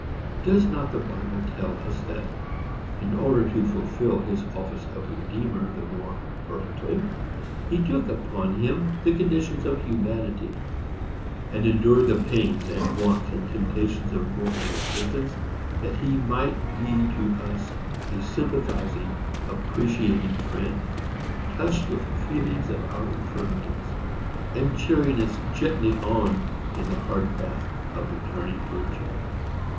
Does not the Bible tell us that, in order to fulfil his office of Redeemer the more perfectly, he took upon him the condition of humanity, and endured the pains, and wants, and temptations of a mortal existence, that he might be to us a sympathizing, appreciating friend, "touched with the feeling of our infirmities," and cheering us gently on in the hard path of returning virtue?